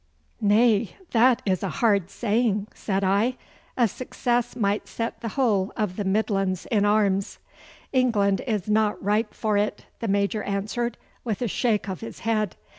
'Nay, that is a hard saying,' said I. 'A success might set the whole of the Midlands in arms.' 'England is not ripe for it,' the Major answered, with a shake of his head.